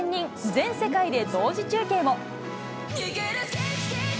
全世界で同時中継も。